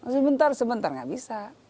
sebentar sebentar gak bisa